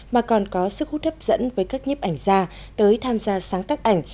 mà còn có sức hút hấp dẫn với các nhếp ảnh gia tới tham gia sáng tắt ảnh